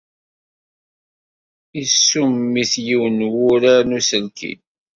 Isumm-it yiwen n wurar n uselkim.